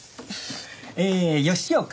えー吉岡